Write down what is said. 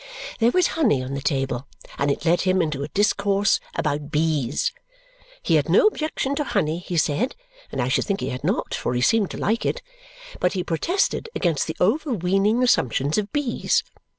There was honey on the table, and it led him into a discourse about bees. He had no objection to honey, he said (and I should think he had not, for he seemed to like it), but he protested against the overweening assumptions of bees.